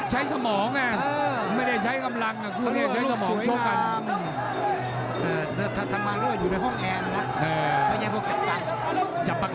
ใช้สมองน่ะไม่ได้ใช้กำลังพวกนี้ใช้สมองชกโดยด้วย